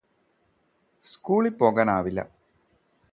സ്കൂളില് പോകാൻ ആവില്ല